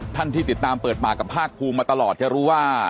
ที่ติดตามเปิดปากกับภาคภูมิมาตลอดจะรู้ว่า